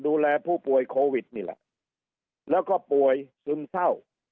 ดูแลผู้ป่วยโควิดนี่แหละแล้วก็ป่วยซึมเศร้า